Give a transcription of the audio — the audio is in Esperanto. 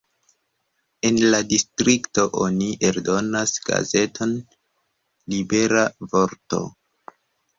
En la distrikto oni eldonas gazeton "Libera vorto".